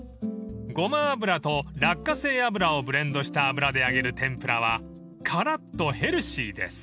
［ごま油と落花生油をブレンドした油で揚げる天ぷらはからっとヘルシーです］